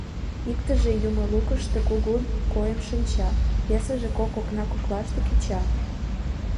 Иктыже юмылукышто кугун койын шинча, весыже кок окна коклаште кеча.